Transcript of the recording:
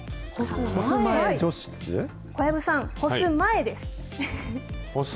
小籔さん、干す前です。